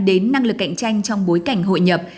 đến năng lực cạnh tranh trong bối cảnh hội nhập